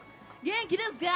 元気ですか？